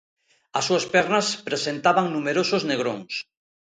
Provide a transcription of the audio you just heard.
As súas pernas presentaban numerosos negróns.